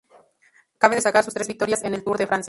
Cabe destacar sus tres victorias en el Tour de Francia.